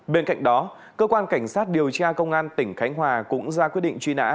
bên cạnh đó cơ quan cảnh sát điều tra công an tỉnh khánh hòa cũng ra quyết định truy nã